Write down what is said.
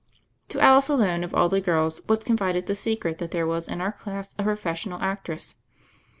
To Alice alone of all the girls was confided the secret that there was in our class a professional actress.